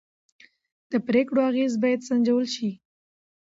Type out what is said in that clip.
د پرېکړو اغېز باید سنجول شي